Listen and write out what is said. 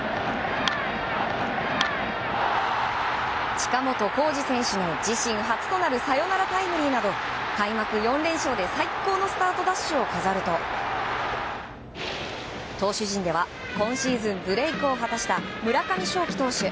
近本光司選手の自身初となるサヨナラタイムリーなど開幕４連勝で最高のスタートダッシュを飾ると投手陣では、今シーズンブレークを果たした村上頌樹投手。